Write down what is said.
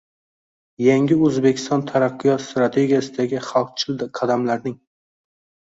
Yangi O‘zbekiston taraqqiyot strategiyasidagi xalqchil qadamlarng